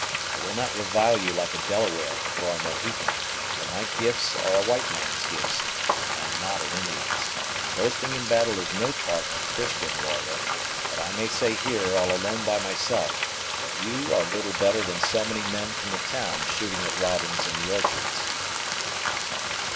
I will not revile you like a Delaware or a Mohican; for my gifts are a white man's gifts, and not an Indian's; and boasting in battle is no part of a Christian warrior; but I may say here, all alone by myself, that you are little better than so many men from the town shooting at robins in the orchards.